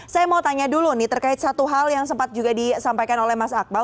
saya mau tanya dulu nih terkait satu hal yang sempat juga disampaikan oleh mas akmal